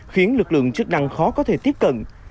khiến lực lượng chức năng khó có thể tiếp cận